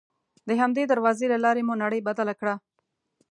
د همدې دروازې له لارې مو نړۍ بدله کړه.